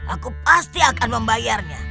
aku pasti akan membayarnya